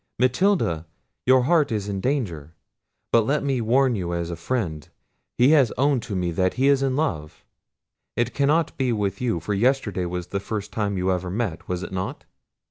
Matilda, your heart is in danger, but let me warn you as a friend, he has owned to me that he is in love; it cannot be with you, for yesterday was the first time you ever met—was it not?"